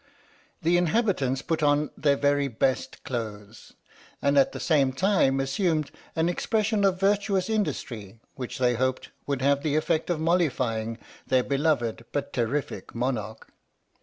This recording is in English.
The inhabitants put on their very best clothes, and at the same time assumed an expression of virtuous industry which they hoped would have the effect of mollifying their beloved but terrific monarch.